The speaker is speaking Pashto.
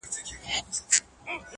زموږ پر زخمونو یې همېش زهرپاشي کړې ده؛